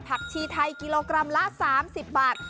ชีไทยกิโลกรัมละ๓๐บาท